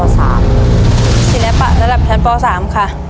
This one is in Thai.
ศิลปะระดับชั้นป๓ค่ะ